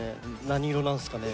何色なんすかね。